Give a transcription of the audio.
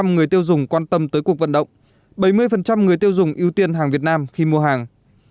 người tiêu dùng quan tâm tới cuộc vận động bảy mươi người tiêu dùng ưu tiên hàng việt nam khi mua hàng